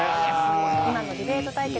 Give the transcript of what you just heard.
今のディベート対決